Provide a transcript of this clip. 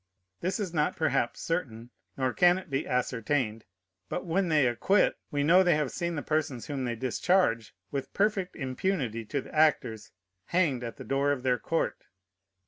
This is not perhaps certain, nor can it be ascertained; but when they acquit, we know they have seen the persons whom they discharge, with perfect impunity to the actors, hanged at the door of their court.